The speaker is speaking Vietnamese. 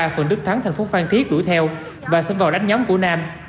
phường đức thắng tp phan thiết đuổi theo và xâm vào đánh nhóm của nam